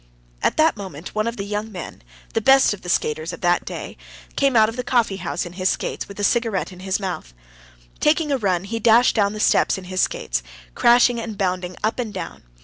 At that moment one of the young men, the best of the skaters of the day, came out of the coffee house in his skates, with a cigarette in his mouth. Taking a run, he dashed down the steps in his skates, crashing and bounding up and down.